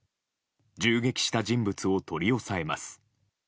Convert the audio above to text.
銃撃した人物を取り押さえます。